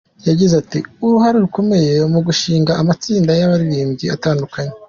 Yagize uruhare rukomeye mu gushinga amatsinda y’abaririmbyi atandukanye.